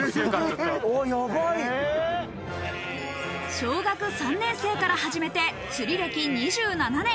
小学３年生から始めて釣り歴２７年。